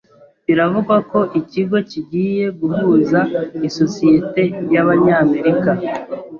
Biravugwa ko ikigo kigiye guhuza isosiyete y'Abanyamerika